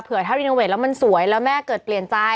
เพื่อถ้ารีโนเวทแล้วมันสวยแล้วแม่เกิดเปลี่ยนใจ